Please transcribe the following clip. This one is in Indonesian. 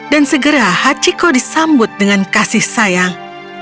dan segera hachiko disambut dengan kasih sayang